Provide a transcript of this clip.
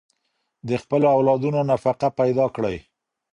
د خپلو اولادونو نفقه پيدا کړئ.